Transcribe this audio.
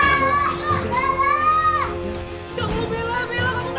jangan lupa bella bella kamu kenapa bella